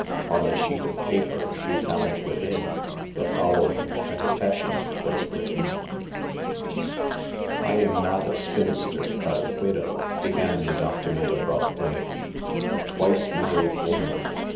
On the sheet of paper she found within the following confession was written :" I am not a spinster, but a widow," began the document abruptly — *'a twice married woman.